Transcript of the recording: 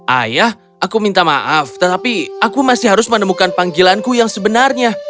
ayah aku minta maaf tetapi aku masih harus menemukan panggilanku yang sebenarnya